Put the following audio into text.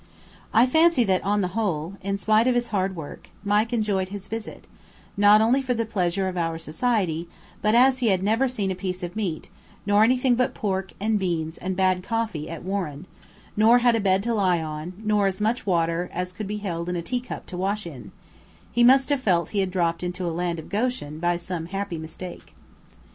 I fancy that on the whole, in spite of his hard work, Mike enjoyed his visit, not only for the pleasure of our society, but as he had never seen a piece of meat, nor anything but pork and beans and bad coffee at Warren, nor had a bed to lie on, nor as much water as could be held in a tea cup to wash in; he must have felt he had dropped into a land of Goshen by some happy mistake.